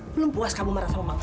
belum puas kamu merasa memanggat